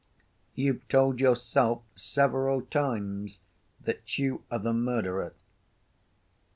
You've told yourself several times that you are the murderer."